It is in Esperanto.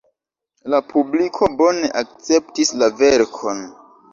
La publiko bone akceptis la verkon.